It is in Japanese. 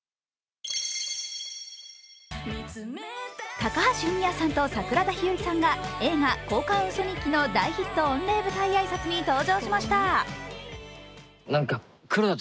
高橋文哉さんと桜田ひよりさんが映画「交換ウソ日記」の大ヒット御礼舞台挨拶に登場しました。